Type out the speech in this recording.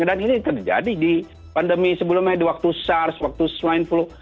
dan ini terjadi di pandemi sebelumnya di waktu sars waktu swine flu